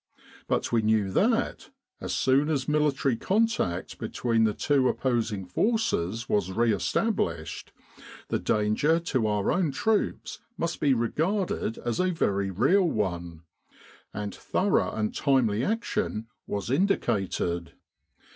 But we knew that, as soon as military contact between the two opposing forces was re established, the danger to our own troops must be regarded as a very real one ; and thorough and timely action was indicated.